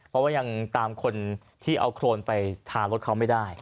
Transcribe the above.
เพราะว่ายังตามคนที่เอาโครนไปทารถเขาไม่ได้